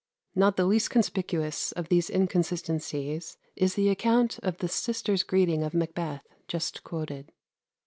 Not the least conspicuous of these inconsistencies is the account of the sisters' greeting of Macbeth just quoted.